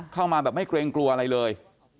เข้ามาแบบไม่เกรงกลัวอะไรเลย